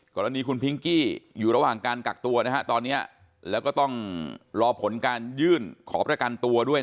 กรณีคุณพิงกี้อยู่ระหว่างการกักตัวตอนนี้แล้วก็ต้องรอผลการยื่นขอประกันตัวด้วย